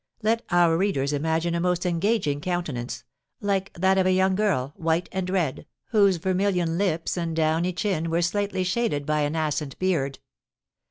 Let our readers imagine a most engaging countenance, like that of a young girl, white and red, whose vermilion lips and downy chin were slightly shaded by a nascent beard.